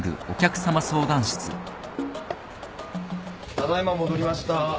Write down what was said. ただ今戻りました。